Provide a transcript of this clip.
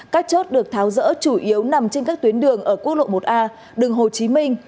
các chốt được tháo rỡ chủ yếu nằm trên các tuyến đường ở quốc lộ một a đường hồ chí minh